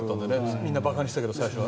みんな馬鹿にしてたけど最初は。